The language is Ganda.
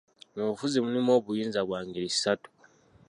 Mu bufuzi mulimu obuyinza bwa ngeri ssatu.